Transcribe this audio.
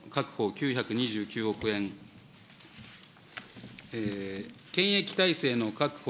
９２９億円、検疫体制の確保